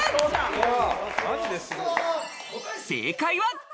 正解は。